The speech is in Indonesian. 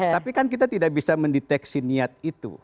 tapi kan kita tidak bisa mendeteksi niat itu